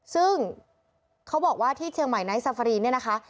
ซึ่งเขาบอกว่าที่เชียงใหม่ไนท์ซาฟารีนเนี่ยนะคะ